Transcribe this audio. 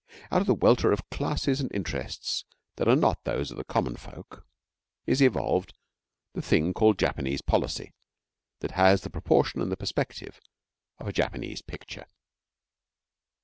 Out of the welter of classes and interests that are not those of the common folk is evolved the thing called Japanese policy that has the proportion and the perspective of a Japanese picture.